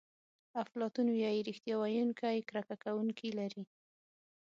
افلاطون وایي ریښتیا ویونکی کرکه کوونکي لري.